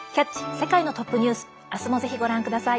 世界のトップニュース」明日もぜひご覧ください。